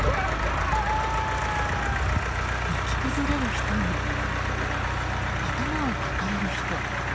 泣き崩れる人に、頭を抱える人。